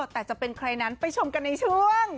แต่จะเป็นใครนั้นไปชมกันในช่วง